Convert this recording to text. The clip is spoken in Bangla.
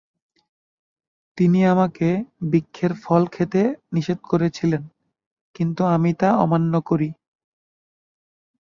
তিনি আমাকে বৃক্ষের ফল খেতে নিষেধ করেছিলেন, কিন্তু আমি তা অমান্য করি।